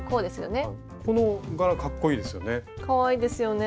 この柄かっこいいですよね。